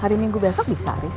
hari minggu besok bisa risk